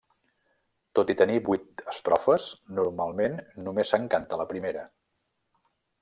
Tot i tenir vuit estrofes normalment només se'n canta la primera.